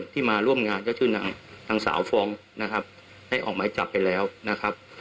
ทางสาวฟองนะครับให้ออกไม้จับไปแล้วนะครับ